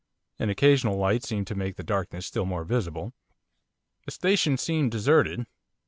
An occasional light seemed to make the darkness still more visible. The station seemed deserted.